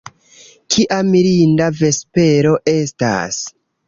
Kia mirinda vespero estas.